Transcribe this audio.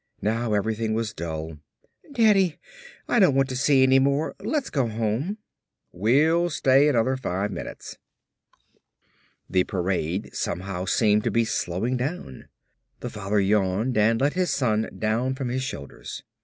Now everything was dull. "Daddy, I don't want to see any more. Let's go home." "We'll stay another five minutes." The parade somehow seemed to be slowing down. The father yawned and let his son down from his shoulders.